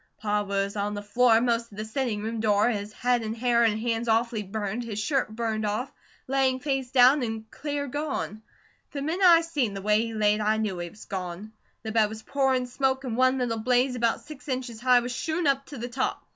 Pa was on the floor, most to the sitting room door, his head and hair and hands awfully burned, his shirt burned off, laying face down, and clear gone. The minute I seen the way he laid, I knew he was gone. The bed was pourin' smoke and one little blaze about six inches high was shootin' up to the top.